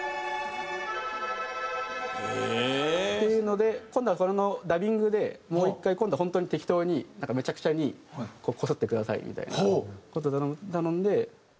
へえー！っていうので今度はこれのダビングでもう１回今度は本当に適当にめちゃくちゃにこすってくださいみたいな事頼んで。